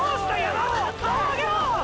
顔を上げろ！！